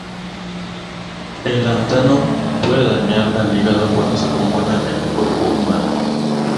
El lantano puede dañar al hígado cuando se acumula en el cuerpo humano.